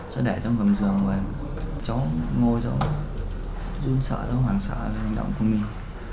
cháu để trong gầm giường và cháu ngồi cháu dung sợ cháu hoàng sợ về hành động của mình